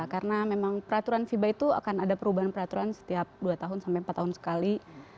karena memang peraturan fiba itu akan ada perubahan peraturan setiap dua tahun sampai empat tahun sekali